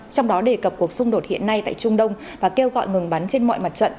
trong đó đề cập cuộc xung đột hiện nay tại trung đông và kêu gọi ngừng bắn trên mọi mặt trận